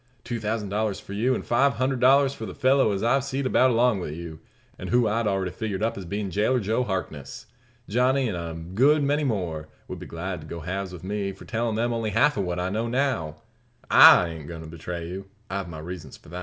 Two thousand dollars for you, an' five hundred dollars for the fellow as I've seed about along wi' you, and who I'd already figured up as bein' jailer Joe Harkness. Johnny, an' a good many more, would be glad to go halves with me, for tellin' them only half of what I now know. I ain't goin' to betray you. I've my reasons for not.